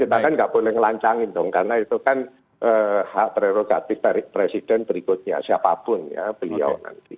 kita kan nggak boleh ngelancangin dong karena itu kan hak prerogatif dari presiden berikutnya siapapun ya beliau nanti